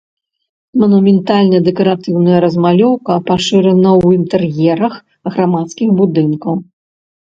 Манументальна-дэкаратыўная размалёўка пашырана ў інтэр'ерах грамадскіх будынкаў.